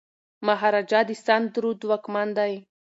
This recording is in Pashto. مهاراجا د سند رود واکمن دی.